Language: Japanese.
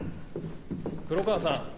黒川さん